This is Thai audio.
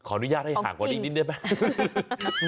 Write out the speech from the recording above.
อนุญาตให้ห่างกว่านี้อีกนิดได้ไหม